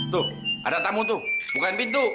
tuh ada tamu tuh bukan pintu